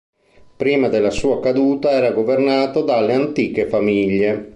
Prima della sua caduta era governato dalle Antiche Famiglie.